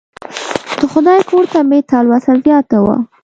د خدای کور ته مې تلوسه زیاته وه.